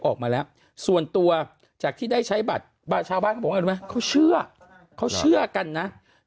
ออกมาแล้วส่วนตัวจากที่ได้ใช้บัตรชาวบ้านเขาบอกว่ารู้ไหมเขาเชื่อเขาเชื่อกันนะ